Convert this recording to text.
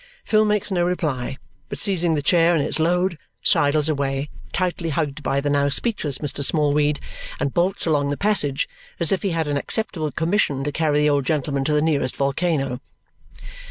Phil makes no reply, but seizing the chair and its load, sidles away, tightly hugged by the now speechless Mr. Smallweed, and bolts along the passage as if he had an acceptable commission to carry the old gentleman to the nearest volcano.